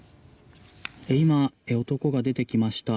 今、男が出てきました。